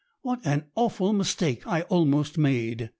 "What an awful mistake I almost made!"